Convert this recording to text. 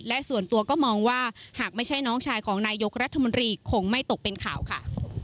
และส่วนตัวก็มองว่าหากไม่ใช่น้องชายของนายกรัฐมนตรีคงไม่ตกเป็นข่าวค่ะ